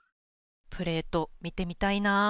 プレート見てみたいなー。